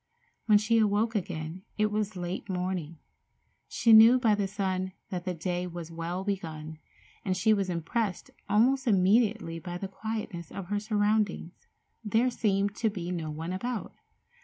When she awoke again it was late morning. She knew by the sun that the day was well begun, and she was impressed almost immediately by the quietness of her surroundings. There seemed to be no one about.